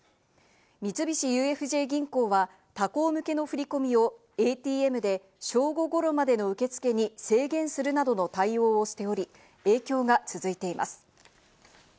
三菱ＵＦＪ銀行は他行向けの振り込みをＡＴＭで正午ごろまでの受付に制限するなどの対応をしており、影響が続いています。